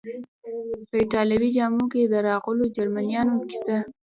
په ایټالوي جامو کې د راغلو جرمنیانو کیسه.